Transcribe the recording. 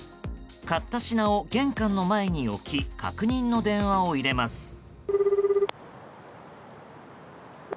買った品を玄関の前に置き確認の電話を入れます。